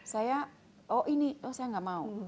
saya oh ini oh saya nggak mau